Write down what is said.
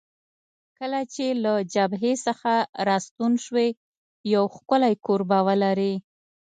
کله چې له جبهې څخه راستون شوې، یو ښکلی کور به ولرې.